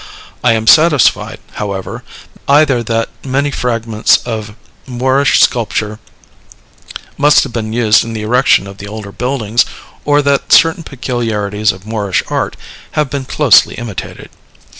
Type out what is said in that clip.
I am satisfied, however, either that many fragments of Moorish sculpture must have been used in the erection of the older buildings, or that certain peculiarities of Moorish art have been closely imitated.